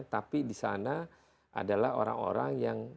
tapi disana adalah orang orang yang